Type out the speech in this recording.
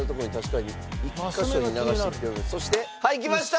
そしてはいきました！